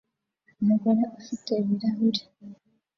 Umugore ufite ibirahuri